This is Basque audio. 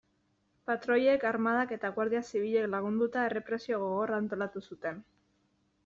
Patroiek, armadak eta Guardia Zibilek lagunduta, errepresio gogorra antolatu zuten.